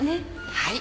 はい。